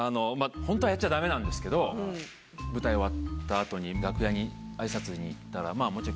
本当はやっちゃ駄目なんですけど舞台終わった後に楽屋にあいさつに行ったらもちろん。